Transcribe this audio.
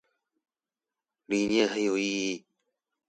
理念很有意義